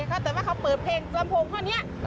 แต่ว่าเขาเปิดเพลงลำโพงเท่านี้